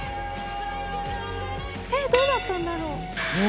えっどうなったんだろう？